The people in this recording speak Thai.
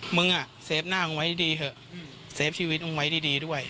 มึงอ่ะเซฟหน้ามึงไว้ดีเถอะเซฟชีวิตมึงไว้ดีด้วย